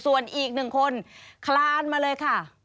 ส่วนอีกหนึ่งคนคลานมาเลยค่ะ